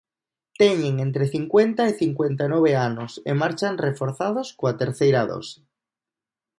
Teñen entre cincuenta e cincuenta e nove anos e marchan reforzados coa terceira dose.